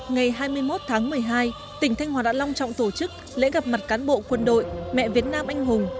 ngày hai mươi một tháng một mươi hai tỉnh thanh hóa đã long trọng tổ chức lễ gặp mặt cán bộ quân đội mẹ việt nam anh hùng